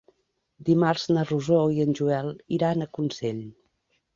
Dimarts na Rosó i en Joel iran a Consell.